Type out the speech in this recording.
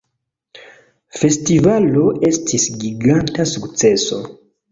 Festivalo estis giganta sukceso